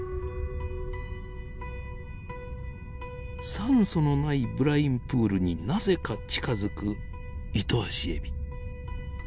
酸素のないブラインプールになぜか近づくイトアシエビ。